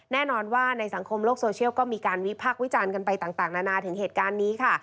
แน่นอนว่าในสังคมโลกโซเชียลก็มีการวิพากษ์วิจารณ์กันไปต่างนานาถึงเหตุการณ์นี้ค่ะ